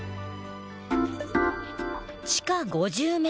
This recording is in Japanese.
地下５０ｍ。